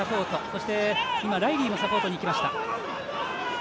そして、ライリーもサポートにいきました。